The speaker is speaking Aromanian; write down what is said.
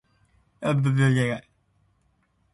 Nu am oarã su ãndreg nota.